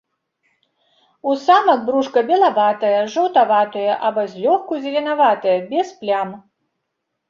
У самак брушка белаватае, жаўтаватае або злёгку зеленаватае, без плям.